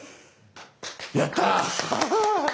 やった！